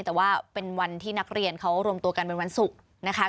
แต่ว่าเป็นวันที่นักเรียนเขารวมตัวกันเป็นวันศุกร์นะคะ